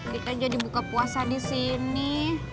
kita jadi buka puasa disini